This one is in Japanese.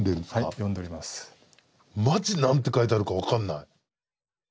マジ何て書いてあるか分かんない。